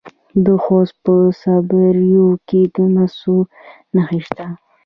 د خوست په صبریو کې د مسو نښې شته.